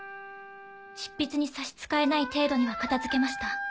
執筆に差し支えない程度には片付けました。